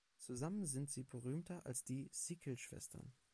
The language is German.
Zusammen sind sie berühmter als die Sikkil-Schwestern.